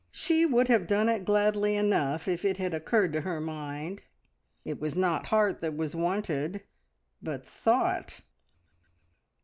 She would have done it gladly enough if it had occurred to her mind: it was not heart that was wanted, but thought!